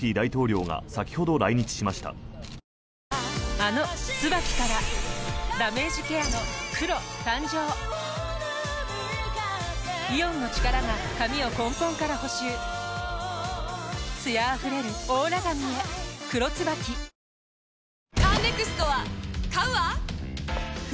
あの「ＴＳＵＢＡＫＩ」からダメージケアの黒誕生イオンの力が髪を根本から補修艶あふれるオーラ髪へ「黒ＴＳＵＢＡＫＩ」みんな！